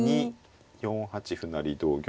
４八歩成同玉